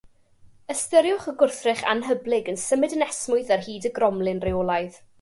Ystyriwch y gwrthrych anhyblyg yn symud yn esmwyth ar hyd y gromlin reolaidd.